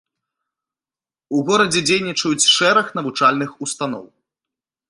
У горадзе дзейнічаюць шэраг навучальных устаноў.